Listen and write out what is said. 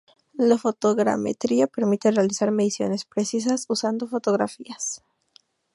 La fotogrametría permite realizar mediciones precisas usando fotografías.